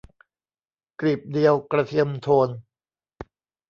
กลีบเดียวกระเทียมโทน